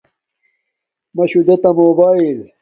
مشو دے تا موباݵل